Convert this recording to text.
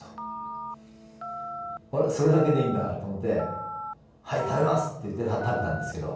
それだけでいいんだと思って「はい食べます」って言って食べたんですけど。